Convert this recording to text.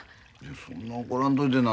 そんな怒らんといてな。